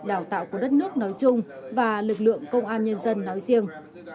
đào tạo của đất nước nói chung và lực lượng công an nhân dân nói riêng